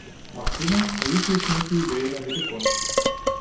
Магчыма, у іх ёсць нейкія ідэі на гэты конт.